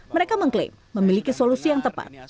mereka mengklaim memiliki solusi yang tepat